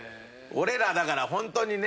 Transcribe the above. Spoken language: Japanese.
俺らだからホントにね。